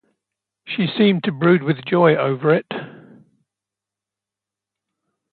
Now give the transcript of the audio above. She seemed to brood with joy over it.